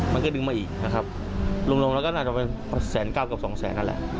มันก็ดึงมาอีกนะครับลุงลงแล้วก็น่าจะเป็นแสนเก้ากับสองแสนนั่นแหละ